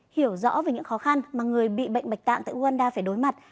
hiểu rõ về những khó khăn mà người bị bệnh bạch tạng tại uganda phải đối mặt